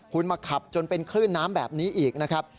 คุณมาขับจนเป็นคลื่นน้ำแบบนี้อีกนะครับ